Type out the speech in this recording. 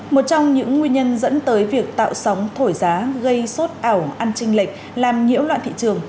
một trong những nguyên nhân dẫn tới việc tạo sóng thổi giá gây sốt ảo ăn tranh lệch làm nhiễu loạn thị trường